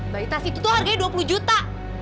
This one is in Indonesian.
bayu tas itu tuh harganya dua puluh juta